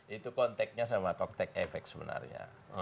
itu konteknya sama kogtek efek sebenarnya